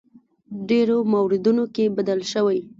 ډېرو موردونو کې بدل شوی.